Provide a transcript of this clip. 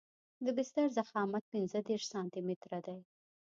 د بستر ضخامت پنځه دېرش سانتي متره دی